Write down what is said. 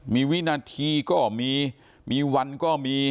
มีวินาทีก็มีมีวันก็มี